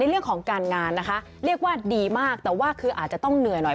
เรื่องของการงานนะคะเรียกว่าดีมากแต่ว่าคืออาจจะต้องเหนื่อยหน่อย